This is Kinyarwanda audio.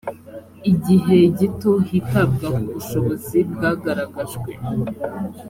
igihe gito hitabwa ku bushobozi bwagaragajwe